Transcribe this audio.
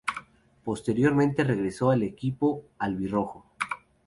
Posteriormente regresó al equipo "albirrojo".